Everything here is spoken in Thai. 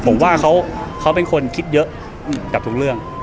ผมว่าเขาเป็นคนคิดเยอะกับทุกเรื่อง